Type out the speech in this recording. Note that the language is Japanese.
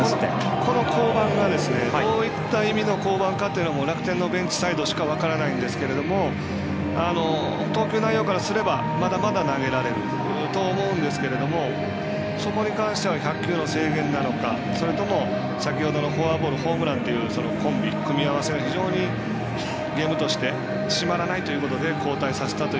この降板がどういった意味の降板かというのは楽天のベンチサイドしか分からないんですが投球内容からすればまだまだ投げられると思うんですけどもそこに関しては１００球の制限なのかそれとも先ほどのフォアボールホームランという組み合わせがゲームとして締まらないということで交代させたのか